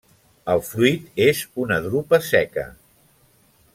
El fruit és una drupa seca.